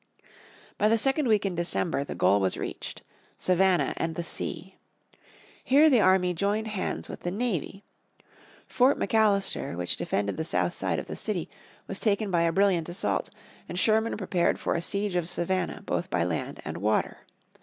By the second week in December the goal was reached Savannah and the sea. Here the army joined hands with the navy. Fort McAllister, which defended the south side of the city, was taken by a brilliant assault, and Sherman prepared for a siege of Savannah both by land and water.